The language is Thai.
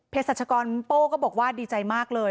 เพศัตริย์ชะกรโป้ก็บอกว่าดีใจมากเลย